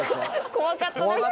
怖かったですね